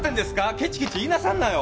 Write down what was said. ケチケチ言いなさんなよ！